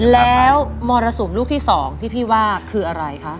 แล้วมรสุมลูกที่๒ที่พี่ว่าคืออะไรคะ